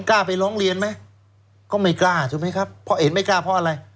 กล้าไปร้องเรียนไหมก็ไม่กล้าถูกไหมครับเพราะเอกไม่กล้าเพราะอะไร